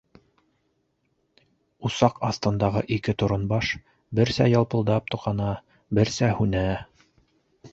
Усаҡ аҫтындағы ике торонбаш берсә ялпылдап тоҡана, берсә һүнә.